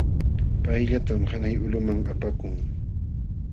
Payllaytam hanay ulquman apakun.